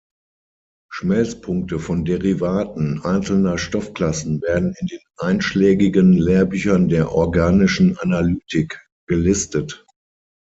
Schmelzpunkte von Derivaten einzelner Stoffklassen werden in den einschlägigen Lehrbüchern der organischen Analytik gelistet.